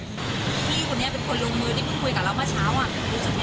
พี่คนนี้เป็นคนลงมือที่เพิ่งคุยกับเรามาเช้าอ่ะ